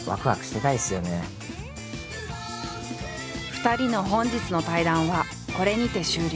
２人の本日の対談はこれにて終了。